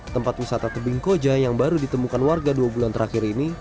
tempat wisata tebing koja yang baru ditemukan warga dua bulan terakhir ini